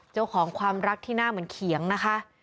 เจ้าของความรักที่น่าเหมือนเขียงนะคะ